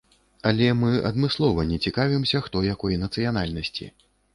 Але мы адмыслова не цікавімся, хто якой нацыянальнасці.